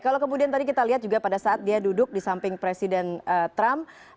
kalau kemudian tadi kita lihat juga pada saat dia duduk di samping presiden trump